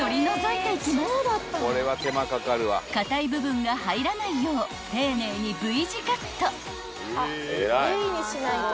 ［硬い部分が入らないよう丁寧にＶ字カット］